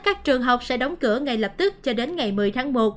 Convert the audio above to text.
các trường học sẽ đóng cửa ngay lập tức cho đến ngày một mươi tháng một